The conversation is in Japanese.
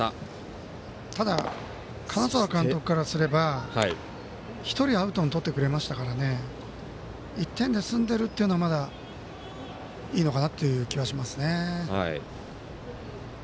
ただ、金沢監督からすれば１人、アウトにとってくれましたから１点で済んでるというのはまだ、いいのかなという気はしますね。